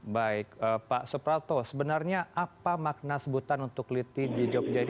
baik pak suprapto sebenarnya apa makna sebutan untuk liti di jogja ini